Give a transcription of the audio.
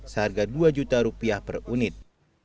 seharga rp dua juta per unit